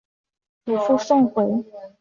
祖父宋回。